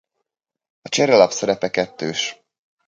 A cserelap szerepe kettős.